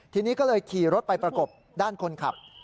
ทีนี้ก็เลยขี่รถไปประกบด้านคนขับ